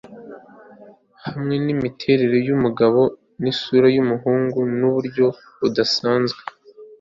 Hamwe nimiterere yumugabo nisura yumuhungu nuburyo budasanzwe